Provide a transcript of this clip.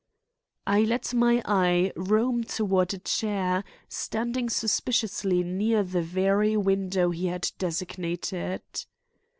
I let my eye roam toward a chair standing suspiciously near the very window he had designated.